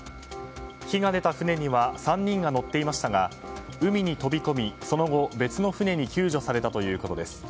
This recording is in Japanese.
火が出た船には３人が乗っていましたが海に飛び込み、その後、別の船に救助されたということです。